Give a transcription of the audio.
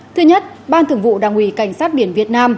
thứ nhất ban thường vụ đảng ủy cảnh sát biển việt nam